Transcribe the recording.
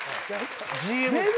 ＧＭ？